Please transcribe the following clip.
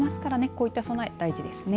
こういった備え大事ですね。